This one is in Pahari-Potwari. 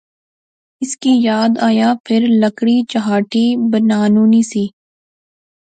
اس کی یاد آیا فیر لکڑی چہاٹھی بنانونی سی